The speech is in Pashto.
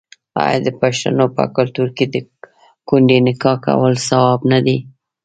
آیا د پښتنو په کلتور کې د کونډې نکاح کول ثواب نه دی؟